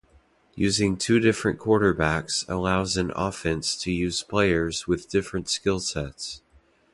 Using two different quarterbacks allows an offense to use players with different skill sets.